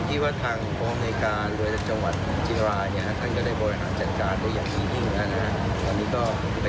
ผมคิดว่าทางภาพอเมริกาหรือจังหวัดจินราท่านก็ได้บริหารจัดการอย่างนี้ด้วยนะครับ